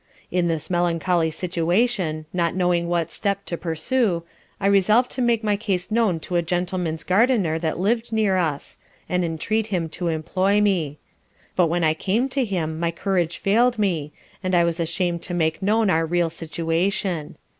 In this melancholy situation, not knowing what step to pursue, I resolved to make my case known to a Gentleman's Gardiner that lived near us, and entreat him to employ me: but when I came to him, my courage failed me, and I was ashamed to make known our real situation.